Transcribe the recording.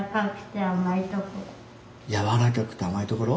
やわらかくて甘いところ。